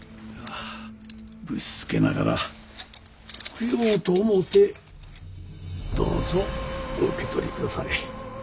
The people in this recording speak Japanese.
ぶしつけながら供養と思うてどうぞお受け取り下され。